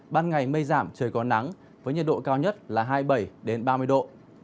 ban ngày mây giảm trời có nắng với nhiệt độ cao nhất là hai mươi bảy ba mươi độ